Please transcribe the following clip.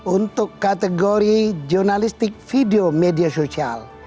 untuk kategori jurnalistik video media sosial